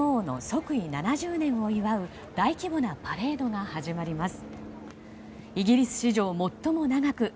即位７０年を祝う大規模なパレードが始まります。